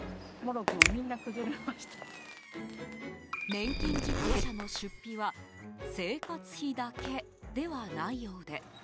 年金受給者の出費は生活費だけではないようで。